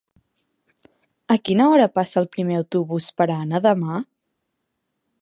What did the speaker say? A quina hora passa el primer autobús per Anna demà?